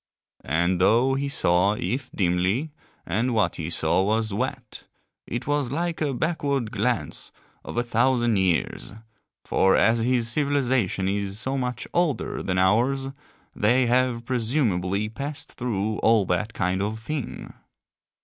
And though he saw if dimly, and what he saw was wet, it was like a backward glance of a thousand years, for as his civilization is so much older than ours they have presumably passed through all that kind of thing.